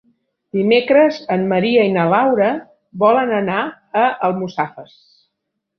Dimecres en Maria i na Laura volen anar a Almussafes.